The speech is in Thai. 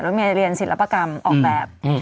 เมียเรียนศิลปกรรมออกแบบ